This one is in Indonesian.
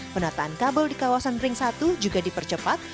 penataan kabel di kawasan ring satu juga dipercepat